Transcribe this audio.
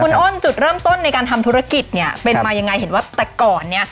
คุณอ้นจุดเริ่มต้นในการทำธุรกิจเนี่ยเป็นมายังไงเห็นว่าแต่ก่อนเนี่ย